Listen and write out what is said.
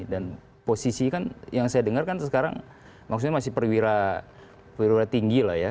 dan posisi kan yang saya dengar kan sekarang maksudnya masih perwira perwira tinggi lah ya